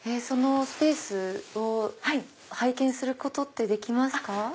そのスペースを拝見することってできますか？